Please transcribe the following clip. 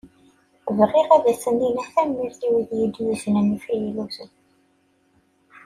Bɣiɣ ad asen-iniɣ tanemmirt i wid i yi-d-yuznen ifayluten.